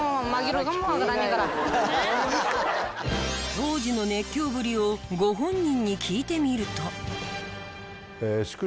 当時の熱狂ぶりをご本人に聞いてみると。